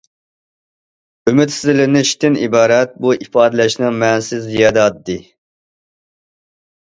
« ئۈمىدسىزلىنىش» تىن ئىبارەت بۇ ئىپادىلەشنىڭ مەنىسى زىيادە ئاددىي.